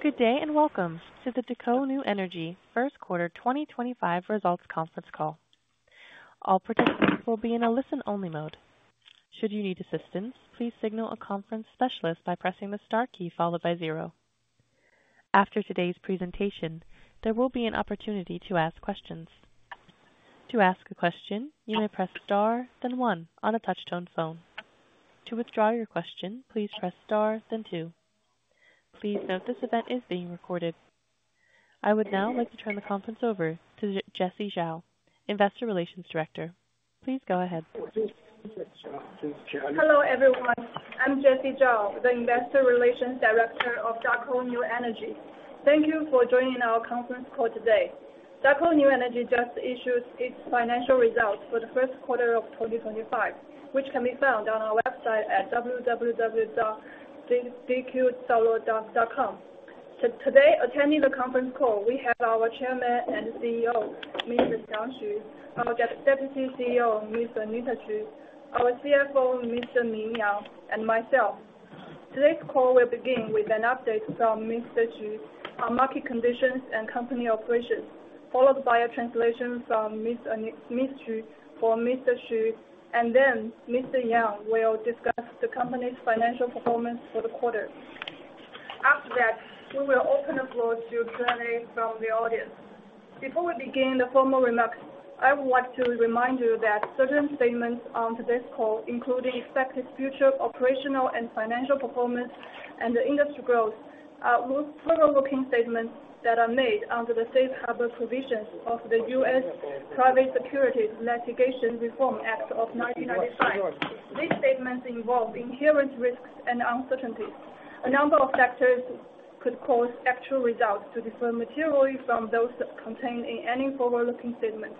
Good day and welcome to the Daqo New Energy first quarter 2025 results conference call. All participants will be in a listen-only mode. Should you need assistance, please signal a conference specialist by pressing the star key followed by zero. After today's presentation, there will be an opportunity to ask questions. To ask a question, you may press star, then one, on a touch-tone phone. To withdraw your question, please press star, then two. Please note this event is being recorded. I would now like to turn the conference over to Jessie Zhang, Investor Relations Director. Please go ahead. Hello, everyone. I'm Jessie Zhang, the Investor Relations Director of Daqo New Energy. Thank you for joining our conference call today. Daqo New Energy just issued its financial results for the first quarter of 2025, which can be found on our website at www.dqsolar.com. Today, attending the conference call, we have our Chairman and CEO, Mr. Xiang Xu, our Deputy CEO, Ms. Anita Zhu, our CFO, Mr. Ming Yang, and myself. Today's call will begin with an update from Ms. Zhu on market conditions and company operations, followed by a translation from Ms. Zhu for Mr. Xu, and then Mr. Yang will discuss the company's financial performance for the quarter. After that, we will open the floor to Q&A from the audience. Before we begin the formal remarks, I would like to remind you that certain statements on today's call, including expected future operational and financial performance and industry growth, are forward-looking statements that are made under the Safe Harbor provisions of the U.S. Private Securities Litigation Reform Act of 1995. These statements involve inherent risks and uncertainties. A number of factors could cause actual results to differ materially from those contained in any forward-looking statements.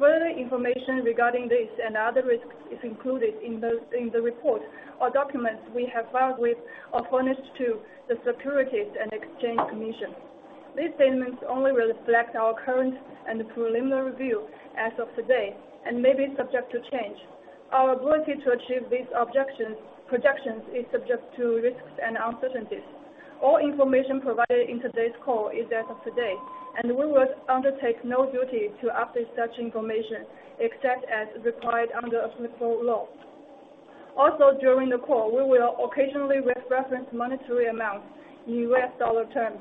Further information regarding this and other risks is included in the report or documents we have filed with or furnished to the U.S. Securities and Exchange Commission. These statements only reflect our current and preliminary view as of today and may be subject to change. Our ability to achieve these projections is subject to risks and uncertainties. All information provided in today's call is as of today, and we will undertake no duty to update such information except as required under applicable law. Also, during the call, we will occasionally reference monetary amounts in U.S. dollar terms.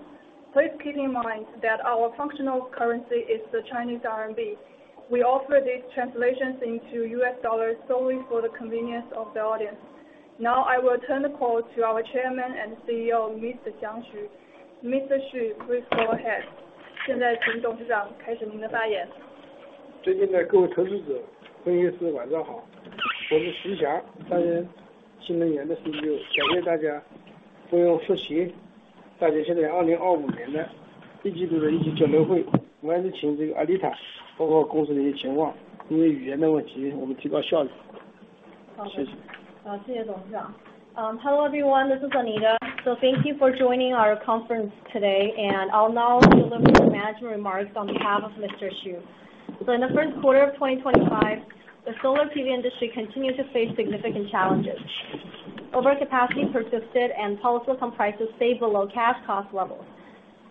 Please keep in mind that our functional currency is the Chinese RMB. We offer these translations into U.S. dollars solely for the convenience of the audience. Now, I will turn the call to our Chairman and CEO, Mr. Xu Xiang. Mr. Xu, please go ahead. 现在请董事长开始您的发言。尊敬的各位投资者，分析师晚上好。我是徐翔，当年新能源的CEO。感谢大家不用复习。大家现在2025年的一季度的一级交流会，我还是请这个安妮塔，包括公司的一些情况，因为语言的问题，我们提高效率。谢谢。好，谢谢董事长。Hello everyone, this is Anita. Thank you for joining our conference today, and I'll now deliver the management remarks on behalf of Mr. Xu. In the first quarter of 2025, the solar PV industry continues to face significant challenges. Overcapacity persisted, and polysilicon prices stayed below cash cost levels.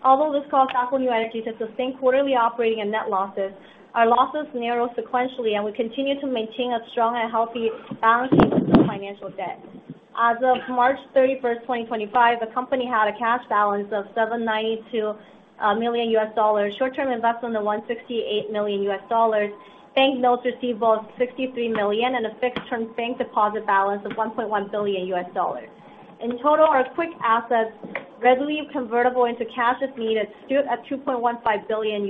Although this caused Daqo New Energy to sustain quarterly operating and net losses, our losses narrowed sequentially, and we continue to maintain a strong and healthy balance sheet with no financial debt. As of March 31, 2025, the company had a cash balance of $792 million, short-term investment of $168 million, bank notes receivable of $63 million, and a fixed-term bank deposit balance of $1.1 billion. In total, our quick assets readily convertible into cash if needed stood at $2.15 billion,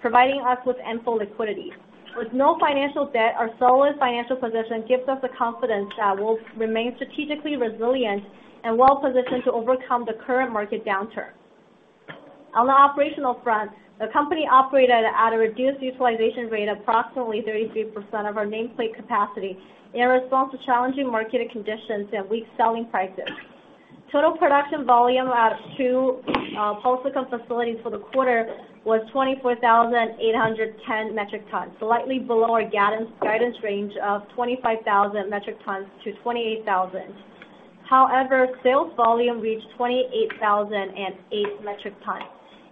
providing us with ample liquidity. With no financial debt, our solid financial position gives us the confidence that we'll remain strategically resilient and well-positioned to overcome the current market downturn. On the operational front, the company operated at a reduced utilization rate of approximately 33% of our nameplate capacity in response to challenging market conditions and weak selling prices. Total production volume at two polysilicon facilities for the quarter was 24,810 metric tons, slightly below our guidance range of 25,000-28,000 metric tons. However, sales volume reached 28,008 metric tons,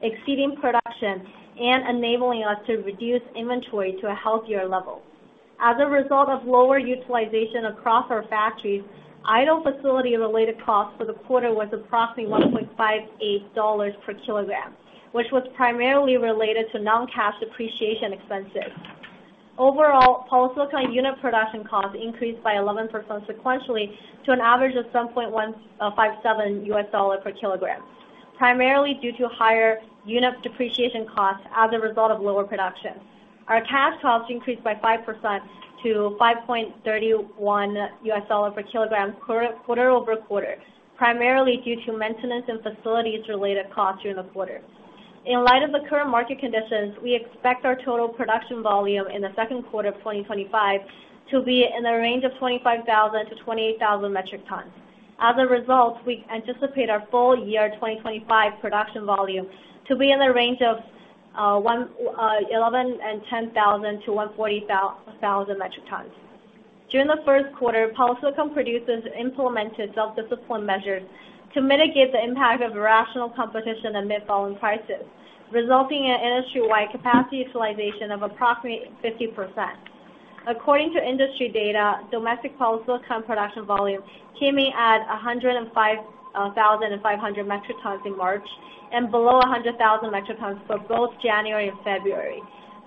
exceeding production and enabling us to reduce inventory to a healthier level. As a result of lower utilization across our factories, idle facility-related costs for the quarter was approximately $1.58 per kilogram, which was primarily related to non-cash depreciation expenses. Overall, polysilicon unit production costs increased by 11% sequentially to an average of $7.157. $ per kilogram, primarily due to higher unit depreciation costs as a result of lower production. Our cash costs increased by 5% to $5.31 per kilogram quarter over quarter, primarily due to maintenance and facilities-related costs during the quarter. In light of the current market conditions, we expect our total production volume in the second quarter of 2025 to be in the range of 25,000-28,000 metric tons. As a result, we anticipate our full year 2025 production volume to be in the range of 110,000 and 100,000-140,000 metric tons. During the first quarter, polysilicon producers implemented self-discipline measures to mitigate the impact of irrational competition amid falling prices, resulting in industry-wide capacity utilization of approximately 50%. According to industry data, domestic polysilicon production volume came in at 105,500 metric tons in March and below 100,000 metric tons for both January and February.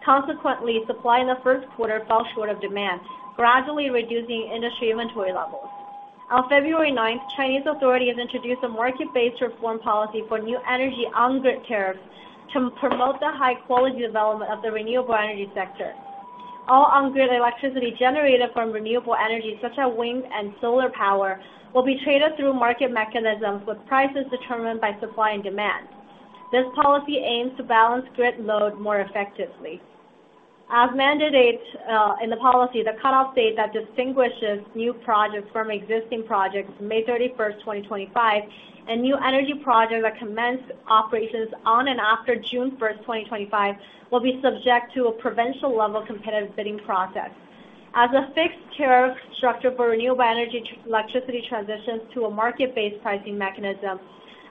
Consequently, supply in the first quarter fell short of demand, gradually reducing industry inventory levels. On February 9, Chinese authorities introduced a market-based reform policy for new energy on-grid tariffs to promote the high-quality development of the renewable energy sector. All on-grid electricity generated from renewable energy, such as wind and solar power, will be traded through market mechanisms with prices determined by supply and demand. This policy aims to balance grid load more effectively. As mandated in the policy, the cutoff date that distinguishes new projects from existing projects is May 31, 2025, and new energy projects that commence operations on and after June 1, 2025, will be subject to a provincial-level competitive bidding process. As a fixed tariff structure for renewable energy electricity transitions to a market-based pricing mechanism,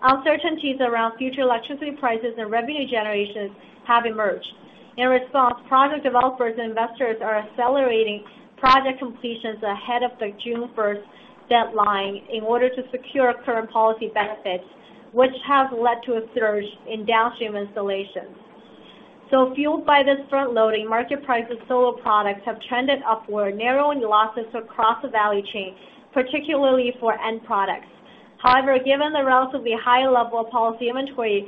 uncertainties around future electricity prices and revenue generations have emerged. In response, project developers and investors are accelerating project completions ahead of the June 1 deadline in order to secure current policy benefits, which have led to a surge in downstream installations. Fueled by this front-loading, market prices of solar products have trended upward, narrowing losses across the value chain, particularly for end products. However, given the relatively high level of poly inventory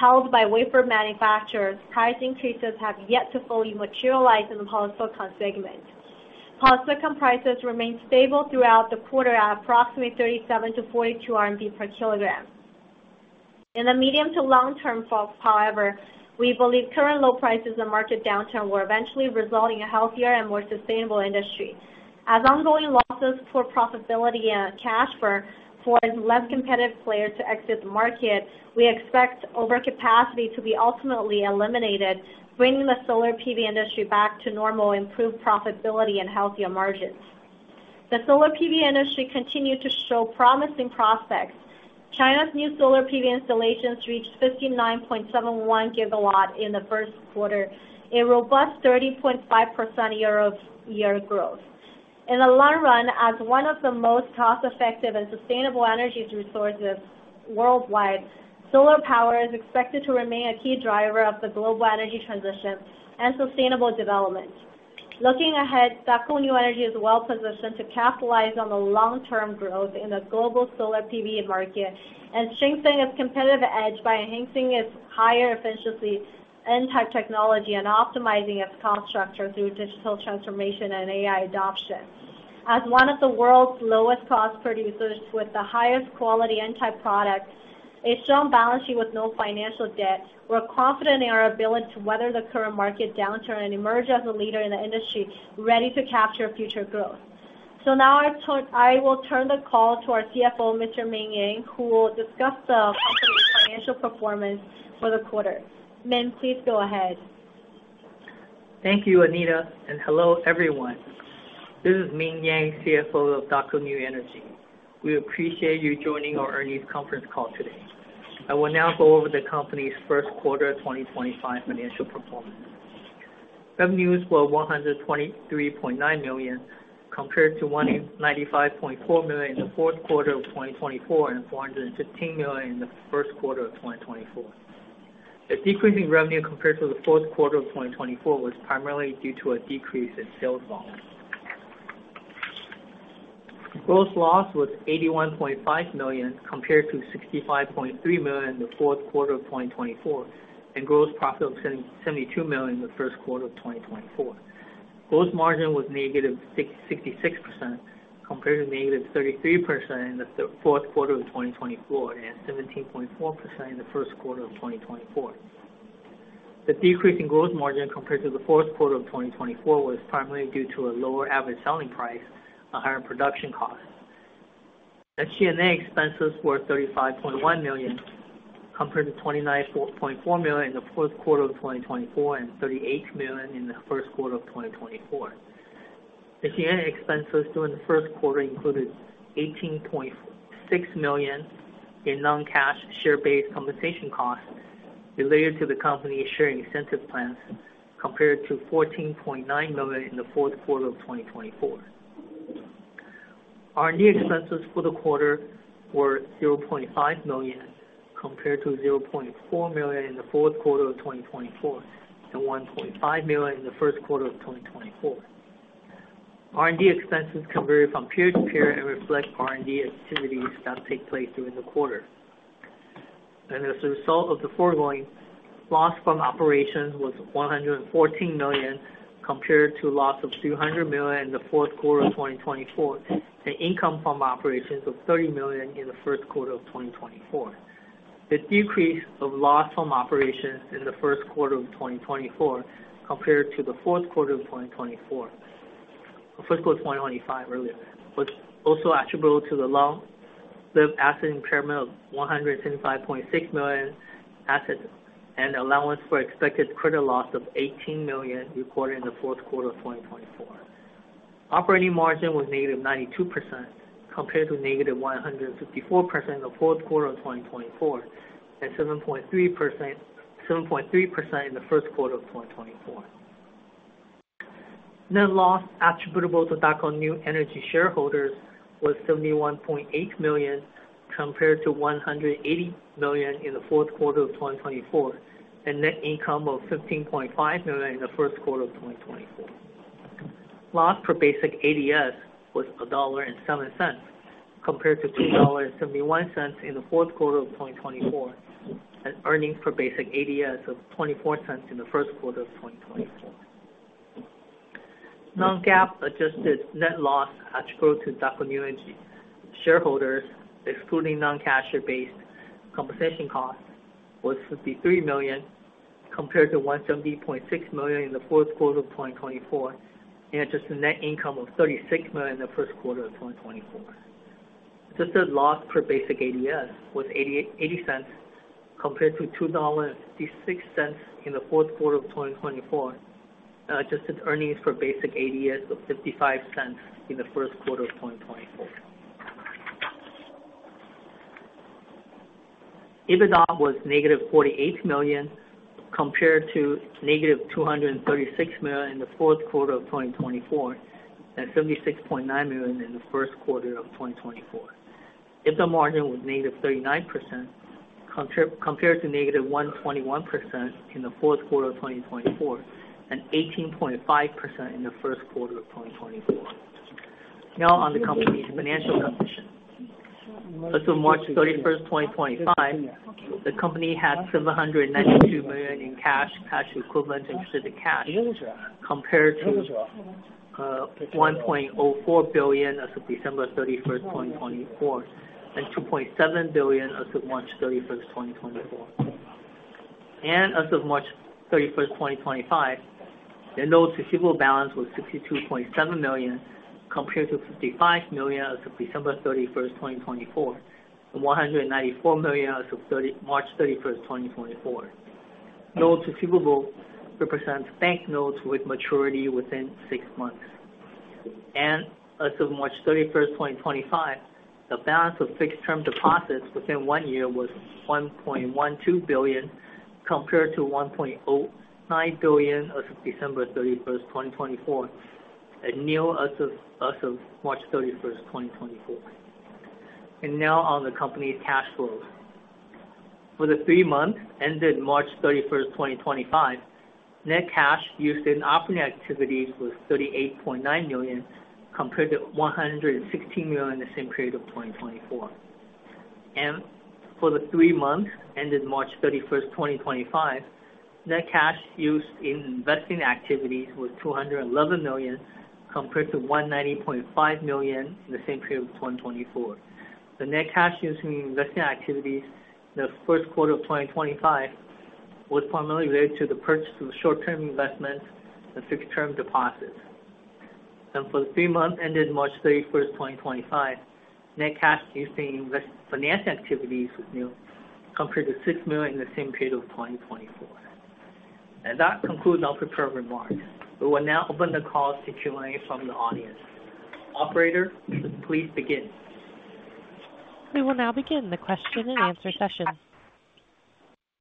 held by wafer manufacturers, price increases have yet to fully materialize in the polysilicon segment. Polysilicon prices remain stable throughout the quarter at approximately 37-42 RMB per kilogram. In the medium to long-term fall, however, we believe current low prices and market downturn will eventually result in a healthier and more sustainable industry. As ongoing losses for profitability and cash for less competitive players to exit the market, we expect overcapacity to be ultimately eliminated, bringing the solar PV industry back to normal, improved profitability, and healthier margins. The solar PV industry continues to show promising prospects. China's new solar PV installations reached 59.71 gigawatts in the first quarter, a robust 30.5% year-over-year growth. In the long run, as one of the most cost-effective and sustainable energy resources worldwide, solar power is expected to remain a key driver of the global energy transition and sustainable development. Looking ahead, Daqo New Energy is well-positioned to capitalize on the long-term growth in the global solar PV market and strengthen its competitive edge by enhancing its higher efficiency N-type technology and optimizing its cost structure through digital transformation and AI adoption. As one of the world's lowest-cost producers with the highest quality N-type products, it has shown a balance sheet with no financial debt. We are confident in our ability to weather the current market downturn and emerge as a leader in the industry ready to capture future growth. I will now turn the call to our CFO, Mr. Ming Yang, who will discuss the company's financial performance for the quarter. Ming, please go ahead. Thank you, Anita, and hello everyone. This is Ming Yang, CFO of Daqo New Energy. We appreciate you joining our earnings conference call today. I will now go over the company's first quarter of 2025 financial performance. Revenues were $123.9 million compared to $195.4 million in the fourth quarter of 2024 and $415 million in the first quarter of 2024. The decreasing revenue compared to the fourth quarter of 2024 was primarily due to a decrease in sales volume. Gross loss was $81.5 million compared to $65.3 million in the fourth quarter of 2024, and gross profit was $72 million in the first quarter of 2024. Gross margin was negative 66% compared to negative 33% in the fourth quarter of 2024 and 17.4% in the first quarter of 2024. The decrease in gross margin compared to the fourth quarter of 2024 was primarily due to a lower average selling price and higher production costs. SG&A expenses were $35.1 million compared to $29.4 million in the fourth quarter of 2024 and $38 million in the first quarter of 2024. SG&A expenses during the first quarter included $18.6 million in non-cash share-based compensation costs related to the company's share incentive plans compared to $14.9 million in the fourth quarter of 2024. R&D expenses for the quarter were $0.5 million compared to $0.4 million in the fourth quarter of 2024 and $1.5 million in the first quarter of 2024. R&D expenses converted from period-to-period and reflect R&D activities that take place during the quarter. As a result of the foregoing, loss from operations was $114 million compared to loss of $300 million in the fourth quarter of 2024 and income from operations of $30 million in the first quarter of 2024. The decrease of loss from operations in the first quarter of 2024 compared to the fourth quarter of 2024, the first quarter of 2025 earlier, was also attributable to the long-lived asset impairment of $125.6 million assets and allowance for expected credit loss of $18 million reported in the fourth quarter of 2024. Operating margin was negative 92% compared to negative 154% in the fourth quarter of 2024 and 7.3% in the first quarter of 2024. Net loss attributable to Daqo New Energy shareholders was $71.8 million compared to $180 million in the fourth quarter of 2024 and net income of $15.5 million in the first quarter of 2024. Loss per basic ADS was $1.07 compared to $2.71 in the fourth quarter of 2024 and earnings per basic ADS of $0.24 in the first quarter of 2024. Non-GAAP adjusted net loss attributable to Daqo New Energy shareholders, excluding non-cash-based compensation costs, was $53 million compared to $170.6 million in the fourth quarter of 2024 and adjusted net income of $36 million in the first quarter of 2024. Adjusted loss per basic ADS was $0.80 compared to $2.56 in the fourth quarter of 2024 and adjusted earnings per basic ADS of $0.55 in the first quarter of 2024. EBITDA was negative $48 million compared to negative $236 million in the fourth quarter of 2024 and $76.9 million in the first quarter of 2024. EBITDA margin was negative 39% compared to negative 121% in the fourth quarter of 2024 and 18.5% in the first quarter of 2024. Now on the company's financial position. As of March 31, 2025, the company had $792 million in cash, cash equivalent, and restricted cash compared to $1.04 billion as of December 31, 2024, and $2.7 billion as of March 31, 2024. As of March 31, 2025, the note receivable balance was $62.7 million compared to $55 million as of December 31, 2024, and $194 million as of March 31, 2024. Note receivable represents bank notes with maturity within six months. As of March 31, 2025, the balance of fixed-term deposits within one year was $1.12 billion compared to $1.09 billion as of December 31, 2024, and nil as of March 31, 2024. Now on the company's cash flows. For the three months ended March 31, 2025, net cash used in operating activities was $38.9 million compared to $116 million in the same period of 2024. For the three months ended March 31, 2025, net cash used in investing activities was $211 million compared to $190.5 million in the same period of 2024. The net cash used in investing activities in the first quarter of 2025 was primarily related to the purchase of short-term investments and fixed-term deposits. For the three months ended March 31, 2025, net cash used in financing activities was nil compared to $6 million in the same period of 2024. That concludes our prepared remarks. We will now open the call to Q&A from the audience. Operator, please begin. We will now begin the question and answer session.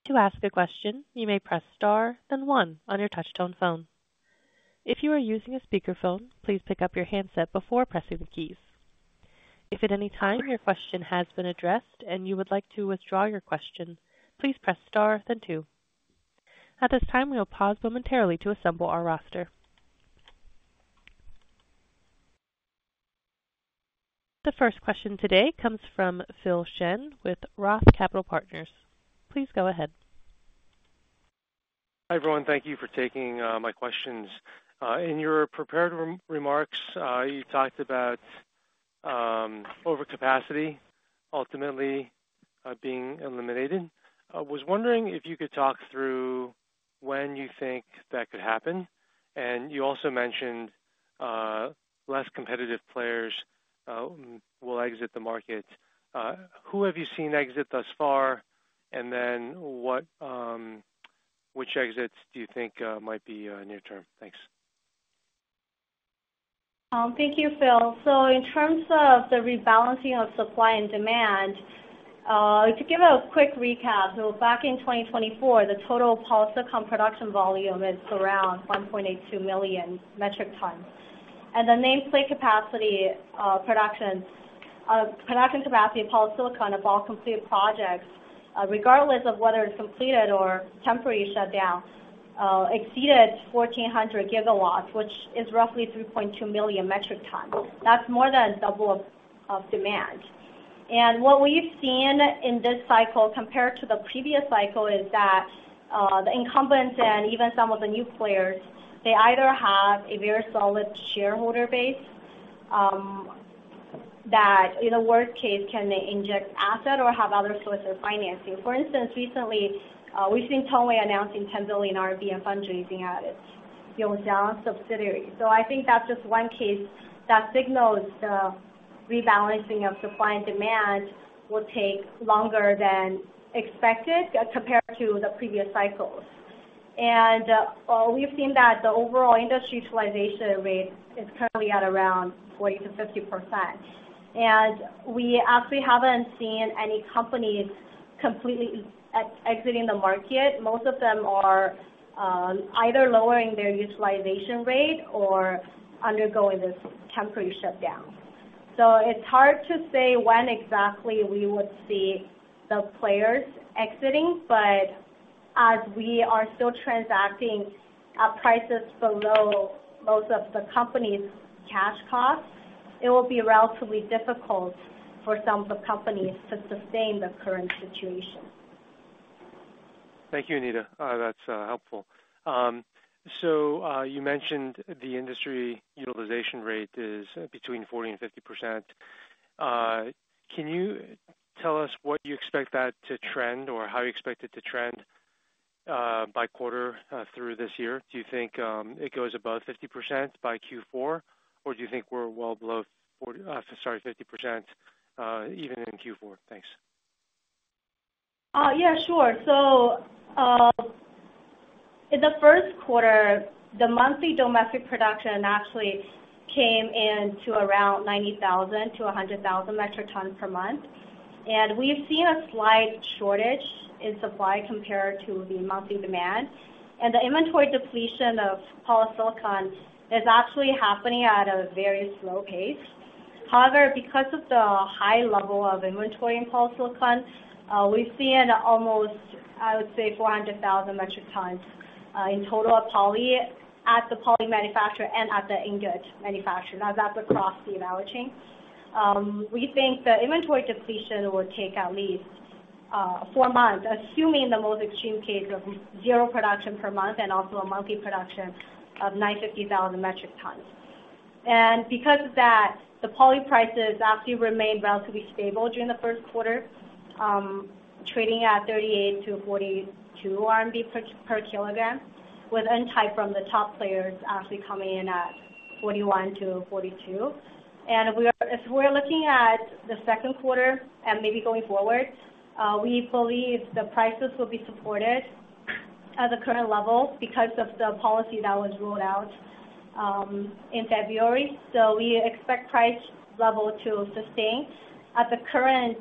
To ask a question, you may press star and one on your touch-tone phone. If you are using a speakerphone, please pick up your handset before pressing the keys. If at any time your question has been addressed and you would like to withdraw your question, please press star then two. At this time, we will pause momentarily to assemble our roster. The first question today comes from Phil Shen with Roth Capital Partners. Please go ahead. Hi everyone. Thank you for taking my questions. In your prepared remarks, you talked about overcapacity ultimately being eliminated. I was wondering if you could talk through when you think that could happen. You also mentioned less competitive players will exit the market. Who have you seen exit thus far, and which exits do you think might be nil-term? Thanks. Thank you, Phil. In terms of the rebalancing of supply and demand, to give a quick recap, back in 2024, the total polysilicon production volume is around 1.82 million metric tons. The nameplate capacity production capacity of polysilicon of all completed projects, regardless of whether it is completed or temporary shutdown, exceeded 1,400 gigawatts, which is roughly 3.2 million metric tons. That is more than double of demand. What we have seen in this cycle compared to the previous cycle is that the incumbents and even some of the new players, they either have a very solid shareholder base that, in the worst case, can they inject asset or have other sources of financing. For instance, recently, we have seen Tongwei announcing 10 billion RMB in fundraising out of Yongxiang subsidiary. I think that's just one case that signals the rebalancing of supply and demand will take longer than expected compared to the previous cycles. We've seen that the overall industry utilization rate is currently at around 40-50%. We actually haven't seen any companies completely exiting the market. Most of them are either lowering their utilization rate or undergoing this temporary shutdown. It's hard to say when exactly we would see the players exiting, but as we are still transacting at prices below most of the companies' cash costs, it will be relatively difficult for some of the companies to sustain the current situation. Thank you, Anita. That's helpful. You mentioned the industry utilization rate is between 40% and 50%. Can you tell us what you expect that to trend or how you expect it to trend by quarter through this year? Do you think it goes above 50% by Q4, or do you think we're well below 50% even in Q4? Thanks. Yeah, sure. In the first quarter, the monthly domestic production actually came in to around 90,000-100,000 metric tons per month. We've seen a slight shortage in supply compared to the monthly demand. The inventory depletion of polysilicon is actually happening at a very slow pace. However, because of the high level of inventory in polysilicon, we've seen almost, I would say, 400,000 metric tons in total at the poly manufacturer and at the ingot manufacturer. Now, that's across the avalanching. We think the inventory depletion will take at least four months, assuming the most extreme case of zero production per month and also a monthly production of 950,000 metric tons. Because of that, the poly prices actually remained relatively stable during the first quarter, trading at 38-42 RMB per kilogram, with intake from the top players actually coming in at 41-42. If we're looking at the second quarter and maybe going forward, we believe the prices will be supported at the current level because of the policy that was rolled out in February. We expect price level to sustain at the current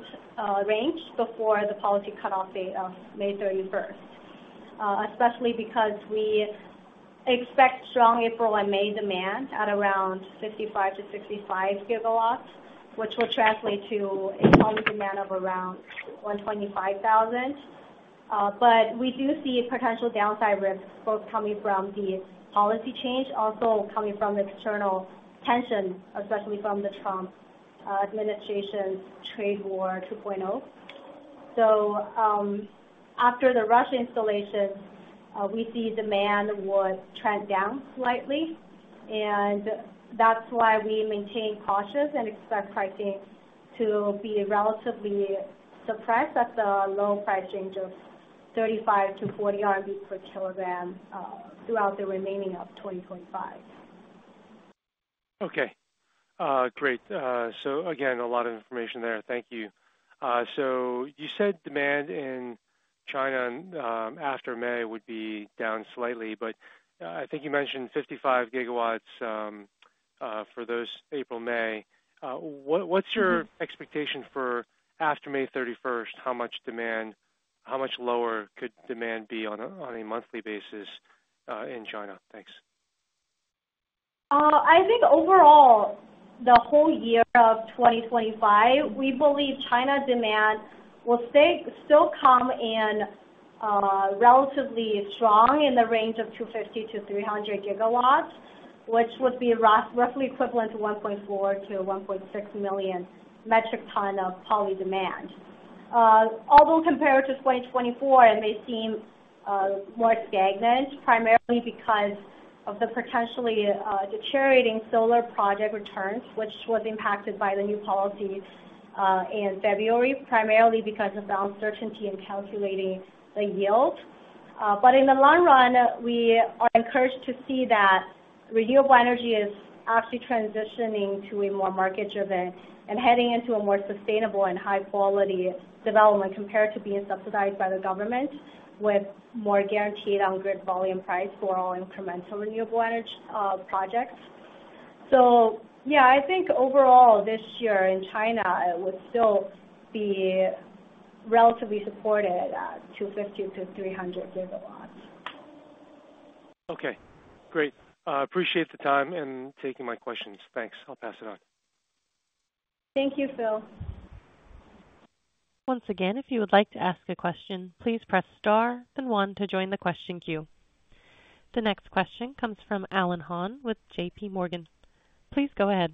range before the policy cutoff date of May 31, especially because we expect strong April and May demand at around 55-65 gigawatts, which will translate to a poly demand of around 125,000. We do see potential downside risks both coming from the policy change, also coming from external tensions, especially from the Trump administration's trade war 2.0. After the rush installations, we see demand would trend down slightly. That is why we maintain cautious and expect pricing to be relatively suppressed at the low price range of 35-40 RMB per kilogram throughout the remaining of 2025. Okay. Great. Again, a lot of information there. Thank you. You said demand in China after May would be down slightly, but I think you mentioned 55 gigawatts for those April, May. What's your expectation for after May 31? How much lower could demand be on a monthly basis in China? Thanks. I think overall, the whole year of 2025, we believe China demand will still come in relatively strong in the range of 250-300 gigawatts, which would be roughly equivalent to 1.4-1.6 million metric ton of poly demand. Although compared to 2024, it may seem more stagnant primarily because of the potentially deteriorating solar project returns, which was impacted by the new policy in February, primarily because of the uncertainty in calculating the yield. In the long run, we are encouraged to see that renewable energy is actually transitioning to a more market-driven and heading into a more sustainable and high-quality development compared to being subsidized by the government with more guaranteed on-grid volume price for all incremental renewable energy projects. I think overall this year in China, it would still be relatively supported at 250-300 gigawatts. Okay. Great. Appreciate the time and taking my questions. Thanks. I'll pass it on. Thank you, Phil. Once again, if you would like to ask a question, please press star then one to join the question queue. The next question comes from Alan Hon with JPMorgan. Please go ahead.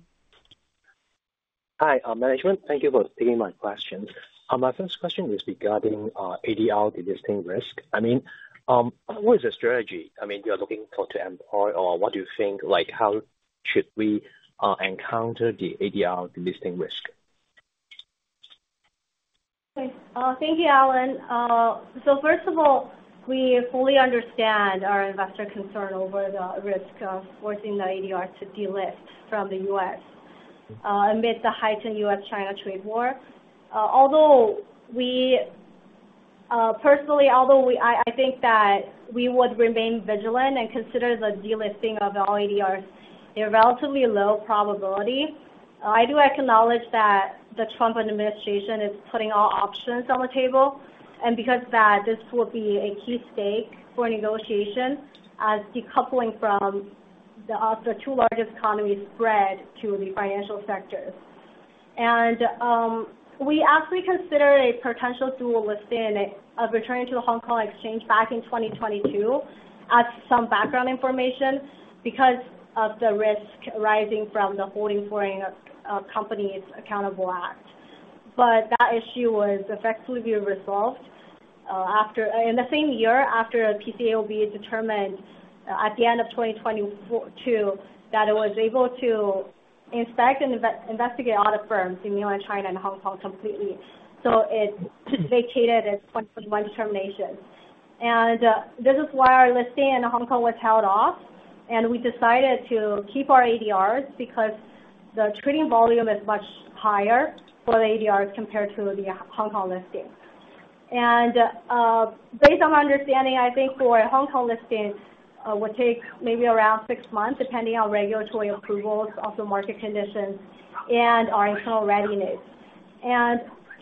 Hi, management. Thank you for taking my question. My first question is regarding ADR delisting risk. I mean, what is the strategy? I mean, you're looking to employ or what do you think? How should we encounter the ADR delisting risk? Thank you, Allen. First of all, we fully understand our investor concern over the risk of forcing the ADR to delist from the U.S. amid the heightened U.S.-China trade war. Although we personally, although I think that we would remain vigilant and consider the delisting of all ADRs, they are relatively low probability. I do acknowledge that the Trump administration is putting all options on the table. Because of that, this will be a key stake for negotiation as decoupling from the two largest economies spreads to the financial sectors. We actually consider a potential dual listing of returning to the Hong Kong exchange back in 2022 as some background information because of the risk rising from the Holding Foreign Companies Accountable Act. That issue was effectively resolved in the same year after PCAOB determined at the end of 2022 that it was able to inspect and investigate audit firms in mainland China and Hong Kong completely. It vacated its 2021 determination. This is why our listing in Hong Kong was held off. We decided to keep our ADRs because the trading volume is much higher for the ADRs compared to the Hong Kong listing. Based on my understanding, I think for a Hong Kong listing, it would take maybe around six months depending on regulatory approvals, the market conditions, and our internal readiness.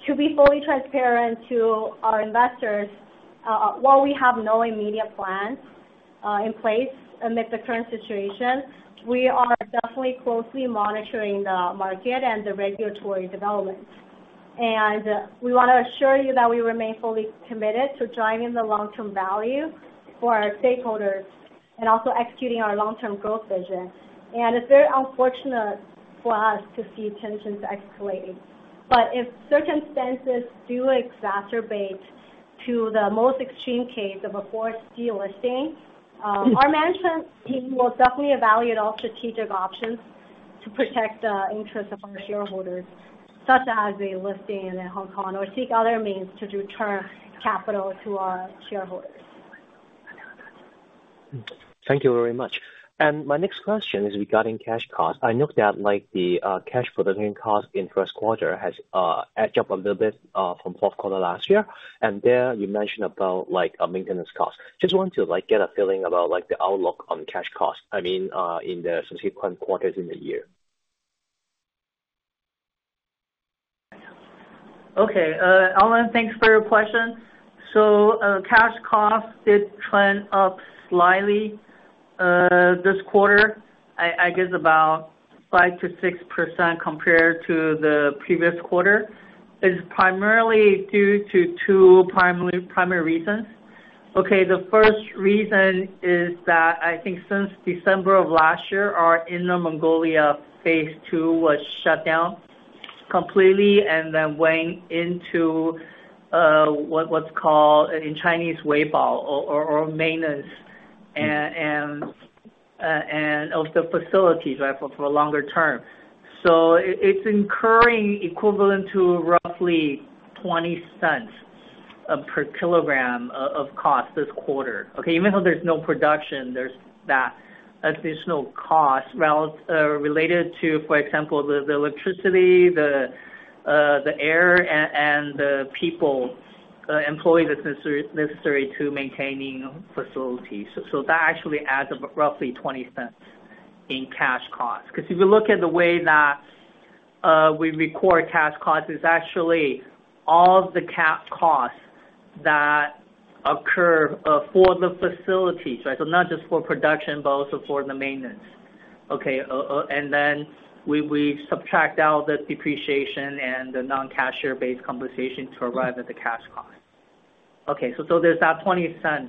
To be fully transparent to our investors, while we have no immediate plans in place amid the current situation, we are definitely closely monitoring the market and the regulatory development. We want to assure you that we remain fully committed to driving the long-term value for our stakeholders and also executing our long-term growth vision. It is very unfortunate for us to see tensions escalate. If circumstances do exacerbate to the most extreme case of a forced delisting, our management team will definitely evaluate all strategic options to protect the interests of our shareholders, such as a listing in Hong Kong or seek other means to return capital to our shareholders. Thank you very much. My next question is regarding cash costs. I know that the cash production cost in the first quarter has edged up a little bit from the fourth quarter last year. You mentioned maintenance costs. I just want to get a feeling about the outlook on cash costs, I mean, in the subsequent quarters in the year. Okay. Allen, thanks for your question. Cash costs did trend up slightly this quarter, I guess about 5%-6% compared to the previous quarter. It is primarily due to two primary reasons. The first reason is that I think since December of last year, our Inner Mongolia phase two was shut down completely and then went into what is called in Chinese Weibao or maintenance of the facilities, right, for longer term. It is incurring equivalent to roughly $0.20 per kilogram of cost this quarter. Even though there is no production, there is that additional cost related to, for example, the electricity, the air, and the people, employees necessary to maintaining facilities. That actually adds up roughly $0.20 in cash costs. If you look at the way that we record cash costs, it is actually all the costs that occur for the facilities, right? Not just for production, but also for the maintenance. Okay. Then we subtract out the depreciation and the non-cash-based compensation to arrive at the cash cost. Okay. There is that $0.20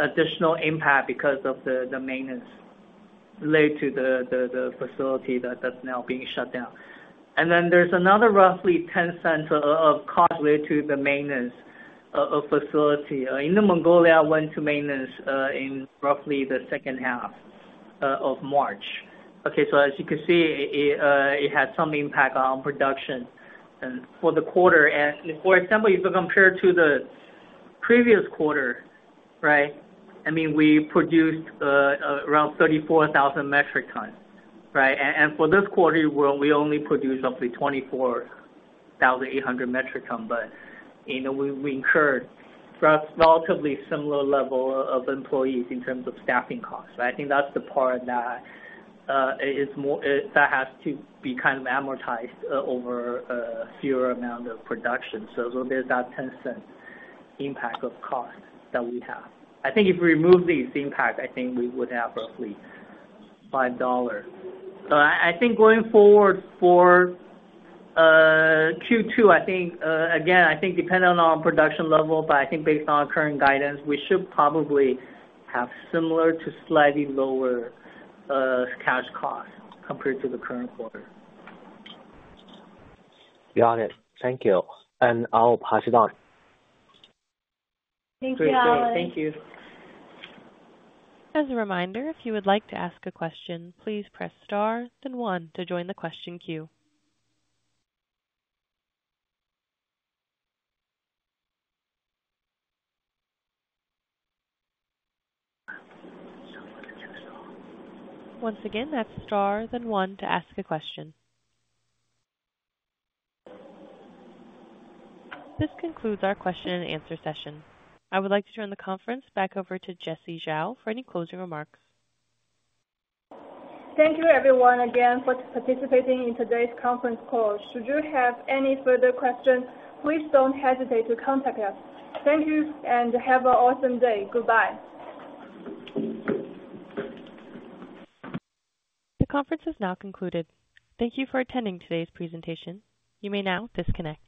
additional impact because of the maintenance related to the facility that is now being shut down. There is another roughly $0.10 of cost related to the maintenance of the facility. Inner Mongolia went to maintenance in roughly the second half of March. Okay. As you can see, it had some impact on production for the quarter. For example, if you compare to the previous quarter, right, I mean, we produced around 34,000 metric tons, right? For this quarter, we only produced roughly 24,800 metric tons. We incurred relatively similar level of employees in terms of staffing costs. I think that's the part that has to be kind of amortized over a fewer amount of production. So there's that $0.10 impact of cost that we have. I think if we remove these impacts, I think we would have roughly $5. I think going forward for Q2, I think, again, I think depending on production level, but I think based on current guidance, we should probably have similar to slightly lower cash costs compared to the current quarter. Got it. Thank you. I'll pass it on. Thank you, Allen. Thank you. As a reminder, if you would like to ask a question, please press star then one to join the question queue. Once again, that's star then one to ask a question. This concludes our question and answer session. I would like to turn the conference back over to Jessie Zhao for any closing remarks. Thank you, everyone, again for participating in today's conference call. Should you have any further questions, please do not hesitate to contact us. Thank you and have an awesome day. Goodbye. The conference has now concluded. Thank you for attending today's presentation. You may now disconnect.